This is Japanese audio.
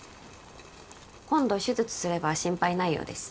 今度手術すれば心配ないようです